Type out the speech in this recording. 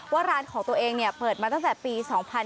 ว่าร้านของตัวเองเปิดมาตั้งแต่ปี๒๕๕๙